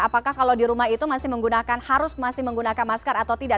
apakah kalau di rumah itu masih menggunakan harus masih menggunakan masker atau tidak